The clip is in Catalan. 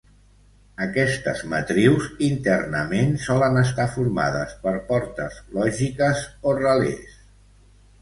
Aquestes matrius internament solen estar formades, per portes lògiques o relés.